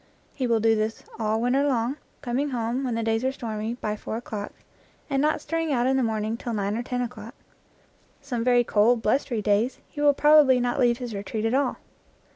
He will do this all winter long, com ing home, when the days are stormy, by four o'clock, and not stirring out in the morning till nine or ten o'clock. Some very cold, blustery days he will prob ably not leave his retreat at all.